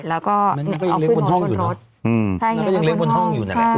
แล้วก็เอาขึ้นมาบนรถใช่ไหมครับบนห้องใช่มันก็ยังเล็กบนห้องอยู่นั่นแหละมันก็ยังเล็กบนห้องอยู่นั่นแหละ